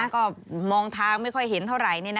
ก็มองทางไม่ค่อยเห็นเท่าไหร่